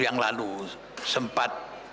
yang lalu sempat